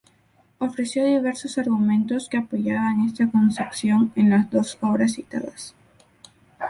Ofreció diversos argumentos que apoyaban esta concepción en las dos obras citadas.